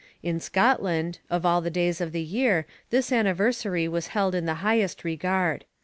In Scotland, of all the days of the year, this anniversary was held in the highest regard.